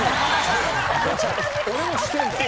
俺もしてんだよ。